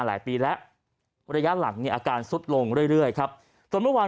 หลายปีและระยะหลังเนี่ยอาการสุดลงเรื่อยครับส่วนเมื่อวาน